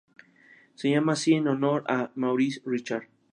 Se llama así en honor de Maurice Richard.